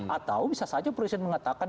atau bisa saja presiden mengatakan